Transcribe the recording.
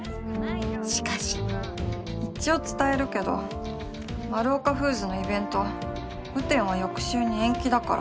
しかし一応伝えるけどマルオカフーズのイベント雨天は翌週に延期だから。